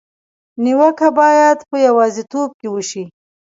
نیوکه باید په یوازېتوب کې وشي.